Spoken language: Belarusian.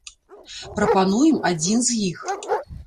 Прапануем адзін з іх.